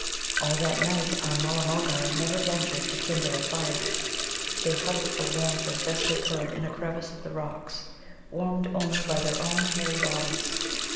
All that night our Mulla mulgars never ventured to kindle a fire. They huddled for warmth as best they could in a crevice of the rocks, warmed only by their own hairy bodies.